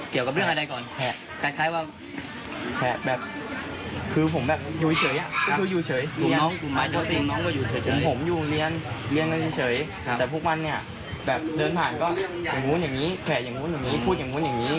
แต่พวกมันเนี่ยแบบเดินผ่านก็อย่างนู้นอย่างนี้แขวนอย่างนู้นอย่างนี้พูดอย่างนู้นอย่างนี้